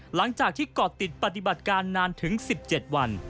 หลังจากที่เกาะติดปฏิบัติการนานถึง๑๗วัน